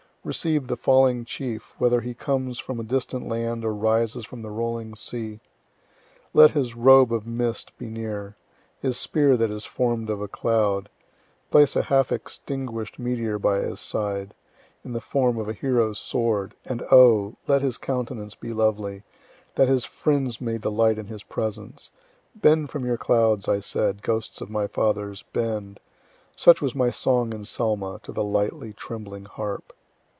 Receive the falling chief; whether he comes from a distant land, or rises from the rolling sea. Let his robe of mist be near; his spear that is form'd of a cloud. Place a half extinguish'd meteor by his side, in the form of a hero's sword. And oh! let his countenance be lovely, that his friends may delight in his presence. Bend from your clouds, I said, ghosts of my fathers, bend. Such was my song in Selma, to the lightly trembling harp."